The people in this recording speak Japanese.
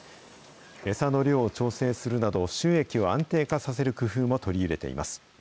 餌の量を調整するなど、収益を安定化させる工夫も取り入れています。